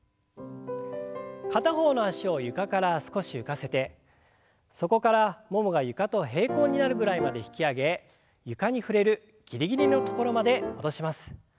片方の脚を床から少し浮かせてそこからももが床と平行になるぐらいまで引き上げ床に触れるギリギリの所まで戻します。